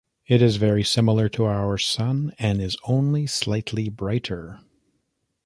It is very similar to our Sun and is only slightly brighter.